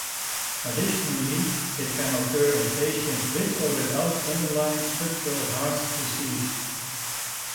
Additionally, it can occur in patients with or without underlying structural heart disease.